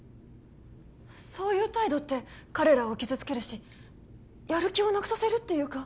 そういう態度って彼らを傷つけるしやる気をなくさせるっていうか